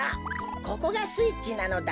ここがスイッチなのだ。